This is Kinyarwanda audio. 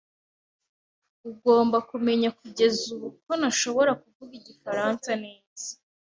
Ugomba kumenya kugeza ubu ko ntashobora kuvuga igifaransa neza.